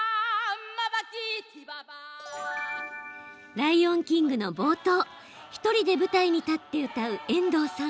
「ライオンキング」の冒頭１人で舞台に立って歌う遠藤さん。